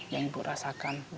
yang ibu rasakan